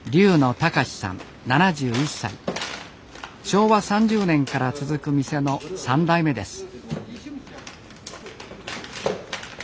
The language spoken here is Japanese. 昭和３０年から続く店の３代目です。